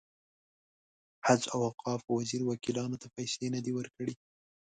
حج او اوقاف وزیر وکیلانو ته پیسې نه دي ورکړې.